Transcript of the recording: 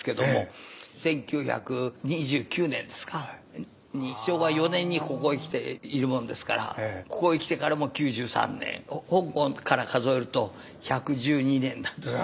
１９２９年ですか昭和４年にここへ来ているもんですからここへ来てからも９３年本郷から数えると１１２年なんです。